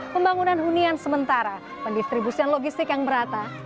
pembangunan hunian sementara pendistribusian logistik yang merata